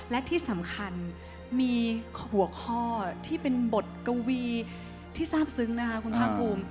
และที่สำคัญมีหัวข้อที่เป็นบทกวีที่ทราบซึ้งนะคะคุณภาคภูมิ